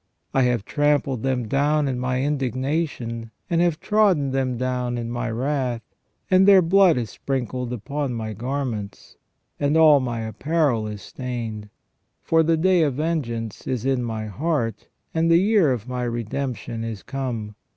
I have trampled them down in My indignation, and have trodden them down in My wrath, and their blood is sprinkled upon My garments, and all My apparel is stained. For the day of vengeance is in My heart, and the year of My redemption is come.